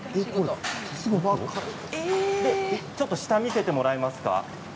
ちょっと下を見ていてもらえますか？